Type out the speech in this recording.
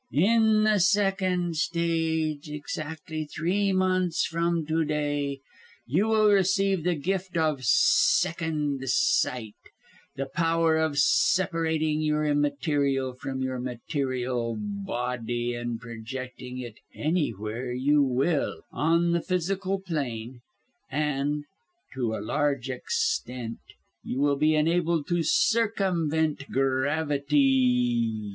"In the second stage exactly three months from to day you will receive the gift of second sight; the power of separating your immaterial from your material body and projecting it, anywhere you will, on the physical plane; and, to a large extent, you will be enabled to circumvent gravity.